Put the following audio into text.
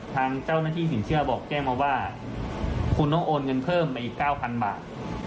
ทางเจ้าหน้าที่สินเชื่อบอกแจ้งมาว่าคุณต้องโอนเงินเพิ่มไปอีก๙๐๐บาท